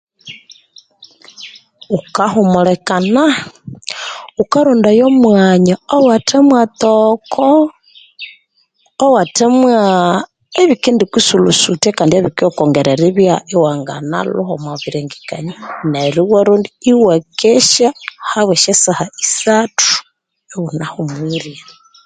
Ukahumulikana ghukarondaya omwanya owathe mwa toko owathe mwa ebikendikusulusuthya kandi ebikendikongera eribya iwa ngana lhuha omwa birengekanio neryo iwaronda iwa kesya habwa sya saha isathu iwunahumwire